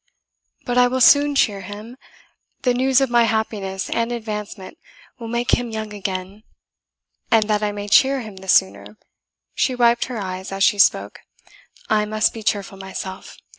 But I will soon cheer him the news of my happiness and advancement will make him young again. And that I may cheer him the sooner" she wiped her eyes as she spoke "I must be cheerful myself.